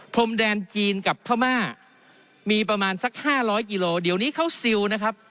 พรมแดนจีนกับพม่ามีประมาณสักห้าร้อยกิโลเดี๋ยวนี้เขาซิลนะครับ